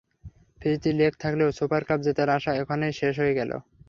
ফিরতি লেগ থাকলেও super cup জেতার আশা ওখানেই শেষ হয়ে গেল।